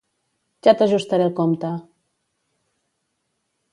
Ja t'ajustaré el compte!